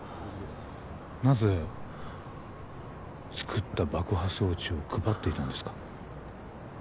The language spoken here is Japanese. なぜ作った爆破装置を配っていたんですか？